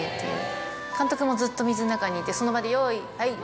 監督もずっと水の中にいてその場で。